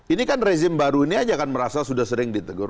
ini kan rezim baru ini aja kan merasa sudah sering ditegur